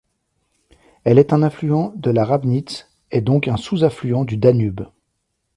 Elle est un affluent de la Rabnitz et donc un sous-affluent du Danube.